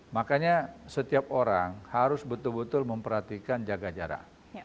makanya setiap orang harus betul betul memperhatikan jaga jarak